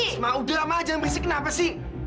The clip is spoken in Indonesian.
semangat udah ma jangan berisik kenapa sih